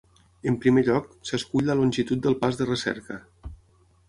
En primer lloc, s'escull la longitud del pas de recerca.